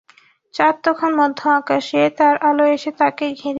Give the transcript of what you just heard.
চাঁদ তখন মধ্য-আকাশে, তার আলো এসে তাকে ঘিরেছে।